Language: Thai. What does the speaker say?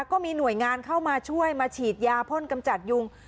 ก็มีหน่วยงานเข้ามาช่วยมาฉีดยาพ่นกำจัดยุง